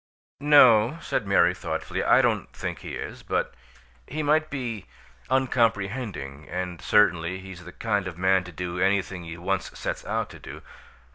"No," said Mary, thoughtfully, "I don't think he is; but he might be uncomprehending, and certainly he's the kind of man to do anything he once sets out to do.